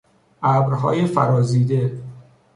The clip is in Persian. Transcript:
ابرهای فرازیده